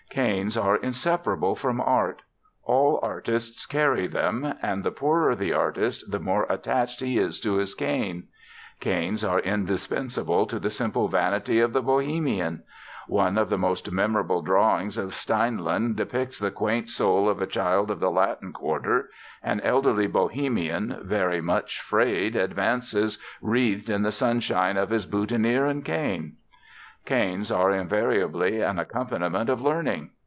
Canes are inseparable from art. All artists carry them; and the poorer the artist the more attached is he to his cane. Canes are indispensable to the simple vanity of the Bohemian. One of the most memorable drawings of Steinlen depicts the quaint soul of a child of the Latin Quarter: an elderly Bohemian, very much frayed, advances wreathed in the sunshine of his boutonniere and cane. Canes are invariably an accompaniment of learning.